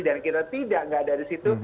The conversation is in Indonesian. dan kita tidak nggak dari situ